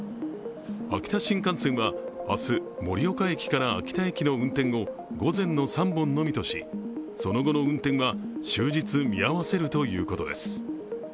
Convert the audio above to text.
秋田新幹線は明日、盛岡駅から秋田駅の運転を午前の３本のみとしその後の運転は終日見合わせるということです。